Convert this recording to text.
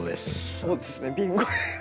そうですねビンゴ。